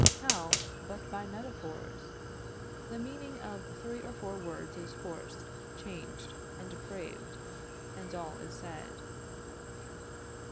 How, but by metaphors? The meaning of three or four words is forced, changed, and depraved and all is said.